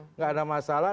enggak ada masalah